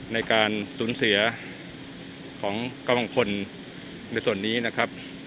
ในการสูญเสียของกำลังพลในส่วนนี้นะครับ